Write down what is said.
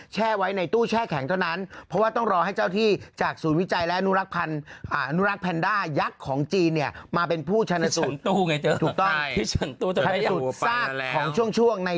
ช่วงช่วงในวันที่๑๙ก็คือวันนี้นั่นเอง